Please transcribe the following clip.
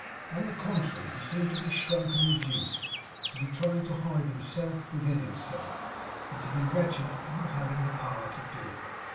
On the contrary, he seemed to be shrunk and reduced; to be trying to hide himself within himself; and to be wretched at not having the power to do it.